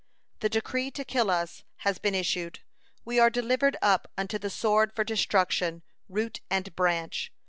The decree to kill us has been issued. We are delivered up unto the sword for destruction, root and branch.